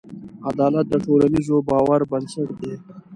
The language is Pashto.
عدالت د ټولنیز باور بنسټ دی.